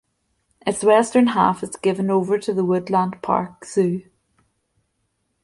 Its western half is given over to the Woodland Park Zoo.